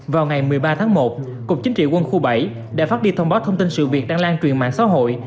vào ngày một mươi ba tháng một cục chính trị quân khu bảy đã phát đi thông báo thông tin sự việc đang lan truyền mạng xã hội